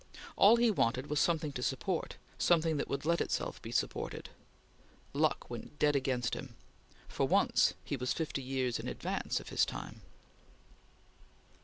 All he wanted was something to support; something that would let itself be supported. Luck went dead against him. For once, he was fifty years in advance of his time.